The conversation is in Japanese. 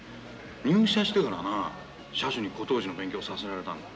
入社してからな社主に古陶磁の勉強させられたんだ。